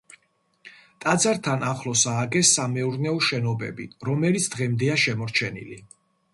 ტაძართან ახლოს ააგეს სამეურნეო შენობები, რომელიც დღემდეა შემორჩენილი.